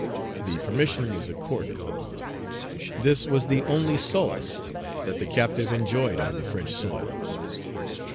The permission was accorded. This was the only solace that the captive enjoyed on the French soil.